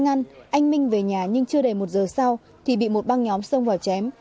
anh minh về nhà nhưng chưa đầy một giờ sau thì bị một băng nhóm xông vào chém